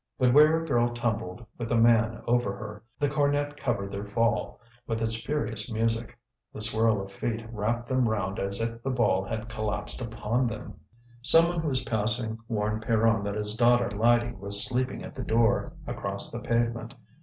But where a girl tumbled with a man over her, the cornet covered their fall with its furious music; the swirl of feet wrapped them round as if the ball had collapsed upon them. Someone who was passing warned Pierron that his daughter Lydie was sleeping at the door, across the pavement.